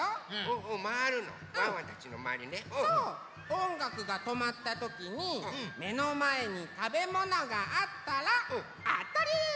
おんがくがとまったときにめのまえにたべものがあったらあたり！